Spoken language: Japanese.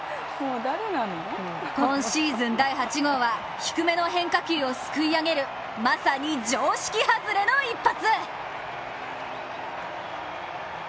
今シーズン第８号は、低めの変化球をすくい上げるまさに常識外れの一発。